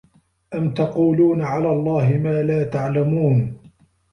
ۖ أَمْ تَقُولُونَ عَلَى اللَّهِ مَا لَا تَعْلَمُونَ